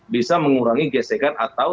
bisa mengurangi gesekan atau